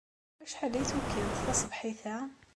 Ɣef wacḥal ay d-tukiḍ taṣebḥit-a?